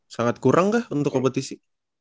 sangat kurang kah untuk kompetisi